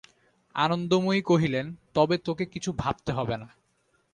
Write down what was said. আনন্দময়ী কহিলেন, তবে তোকে কিছু ভাবতে হবে না।